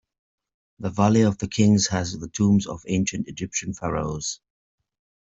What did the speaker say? The valley of the kings has the tombs of ancient Egyptian pharaohs.